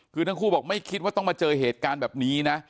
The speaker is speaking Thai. คือทั้งคู่บอกไม่คิดว่าต้องมาเจอเหตุการณ์แบบนี้นะ